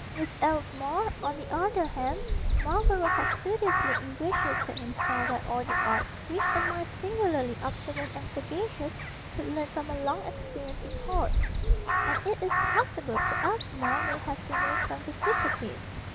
With Albemarle, on the other hand, Marlborough had studiously ingratiated himself by all the arts which a mind singularly observant and sagacious could learn from a long experience in courts; and it is possible that Albemarle may have removed some difficulties.